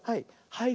はい。